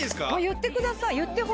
言ってください。